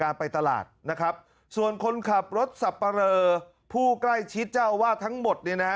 รถสับปะเลอร์ผู้ใกล้ชิดเจ้าว่าทั้งหมด